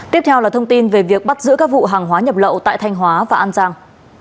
tiếp theo là thông tin về việc bắt giữ các vụ hàng hóa nhập lậu tại thanh hóa và an giang